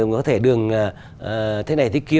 có thể đường thế này thế kia